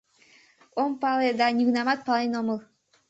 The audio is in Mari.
— Ом пале да нигунамат пален омыл.